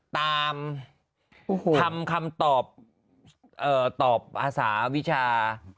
ทำคำตอบตอบอาสาวิชา